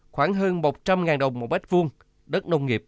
khoảng hơn một trăm linh đồng một mét vuông đất nông nghiệp